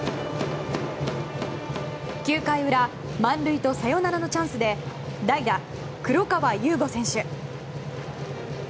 ９回裏満塁とサヨナラのチャンスで代打、黒川裕梧選手。